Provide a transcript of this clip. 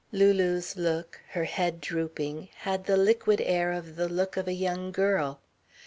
Lulu's look, her head drooping, had the liquid air of the look of a young girl.